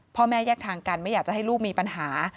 พ่อแม่แยกทางกันไม่อยากจะให้ลูกมีปัญหา